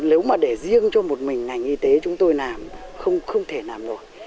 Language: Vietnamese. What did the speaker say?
nếu mà để riêng cho một mình ngành y tế chúng tôi làm không thể làm nổi